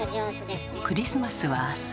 クリスマスは明日。